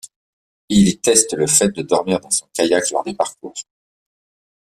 Il y teste le fait de dormir dans son kayak lors des parcours.